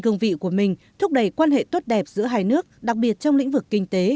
cương vị của mình thúc đẩy quan hệ tốt đẹp giữa hai nước đặc biệt trong lĩnh vực kinh tế